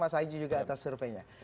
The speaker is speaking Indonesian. mas aji juga atas surveinya